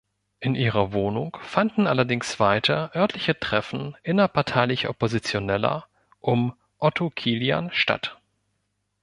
In ihrer Wohnung fanden allerdings weiter örtliche Treffen innerparteilicher Oppositioneller um Otto Kilian statt.